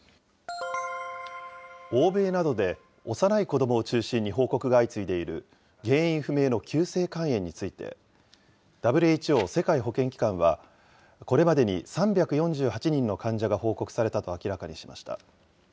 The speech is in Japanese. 欧米などで幼い子どもを中心に報告が相次いでいる原因不明の急性肝炎について、ＷＨＯ・世界保健機関は、これまでに３４８人の患者が報告されたと明らかにしました。